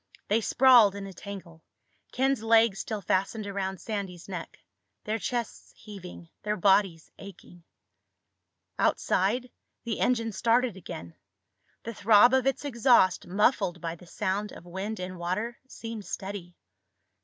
They sprawled in a tangle, Ken's legs still fastened around Sandy's neck, their chests heaving, their bodies aching. Outside, the engine started again. The throb of its exhaust, muffled by the sound of wind and water, seemed steady.